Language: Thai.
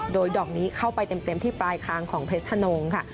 โดยดอกนี้เข้าไปเต็มที่ปลายคางของเพชรธนงค่ะ